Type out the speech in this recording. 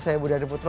saya budi arief putro